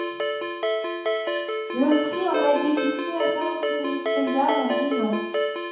Le prix en a été fixé à quarante mille livres payables en dix ans.